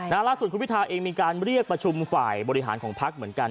ล่าสุดคุณพิทาเองมีการเรียกประชุมฝ่ายบริหารของพักเหมือนกัน